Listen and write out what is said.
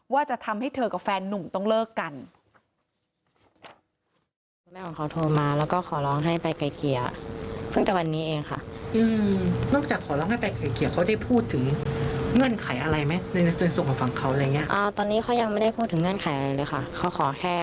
ว่าจะทำให้เธอกับแฟนนุ่มต้องเลิกกัน